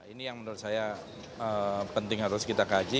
ini yang menurut saya penting harus kita kaji